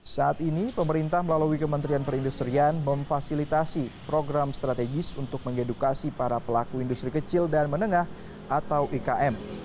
saat ini pemerintah melalui kementerian perindustrian memfasilitasi program strategis untuk mengedukasi para pelaku industri kecil dan menengah atau ikm